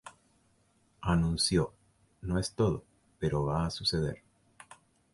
Anunció: "No es todo, pero va suceder".